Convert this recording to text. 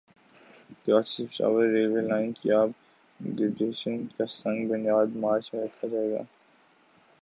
کراچی سے Peshawar railway line کی upgradation کا سنگ بنیاد مارچ میں رکھا جائے گا